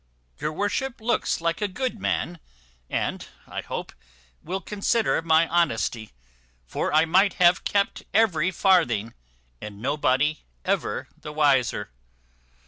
Your worship looks like a good man, and, I hope, will consider my honesty; for I might have kept every farthing, and nobody ever the wiser."